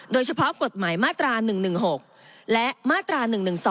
โดยเฉพาะกฎหมายมาตรา๑๑๖และมาตรา๑๑๒